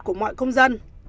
của mọi công dân